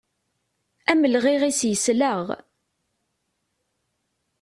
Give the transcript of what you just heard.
Amelɣiɣ-is yesleɣ.